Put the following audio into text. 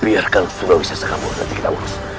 biarkan surawi sese kabur nanti kita berusaha